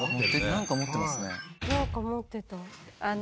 なんか持ってた。